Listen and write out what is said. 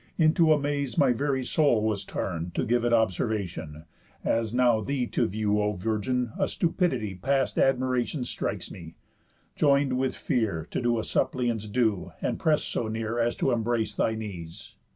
Into amaze my very soul was turn'd, To give it observation; as now thee To view, O virgin, a stupidity Past admiration strikes me, join'd with fear To do a suppliant's due, and press so near, As to embrace thy knees.